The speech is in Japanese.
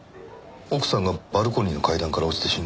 奥さんがバルコニーの階段から落ちて死んだの。